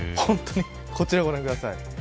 こちらをご覧ください。